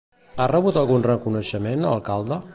Ha rebut algun reconeixement Alcalde?